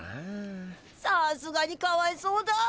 さすがにかわいそうだ！